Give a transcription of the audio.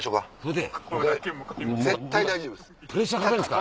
絶対大丈夫です。